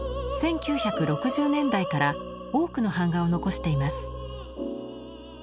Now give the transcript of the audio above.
１９６０年代から多くの版画を残しています。